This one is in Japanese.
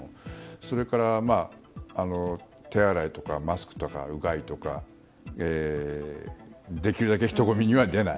それから手洗いとかマスクとか、うがいとかできるだけ人混みには出ない。